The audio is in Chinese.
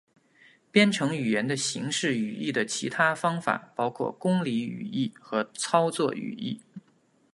编程语言的形式语义的其他方法包括公理语义和操作语义。